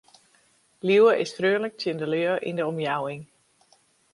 Liuwe is freonlik tsjin de lju yn de omjouwing.